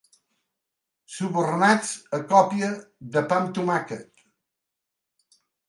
Subornats a còpia de pa amb tomàquet.